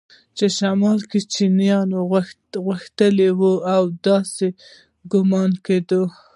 چا له شماله چپنې راغوښتي وې او داسې ګومان کېده.